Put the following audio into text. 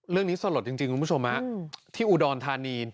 เรื่องนี้สะลดจริงคุณผู้ชมครับที่อุดรธานี